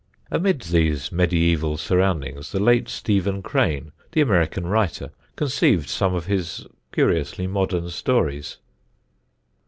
Amid these medieval surroundings the late Stephen Crane, the American writer, conceived some of his curiously modern stories.